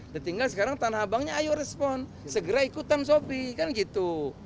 nah tinggal sekarang tanah abangnya ayo respon segera ikutan shopee kan gitu